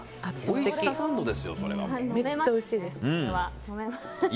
めっちゃおいしいです。